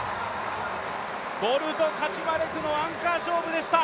ボルとカチュマレクのアンカー勝負でした。